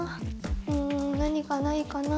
うん何かないかな？